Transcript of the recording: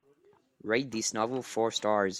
rate this novel four stars